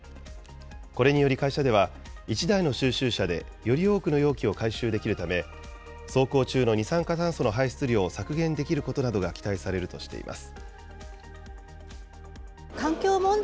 これにより会社では、１台の収集車でより多くの容器を回収できるため、走行中の二酸化炭素の排出量を削減できることなどが期待されるとしています。